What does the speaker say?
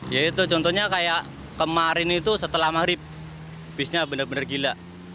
ya itu contohnya kayak kemarin itu setelah maghrib bisnya benar benar gila